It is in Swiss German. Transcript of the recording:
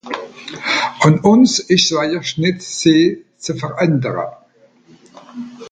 Àn ùns ìsch ’s wajer nìtt se ze verändere.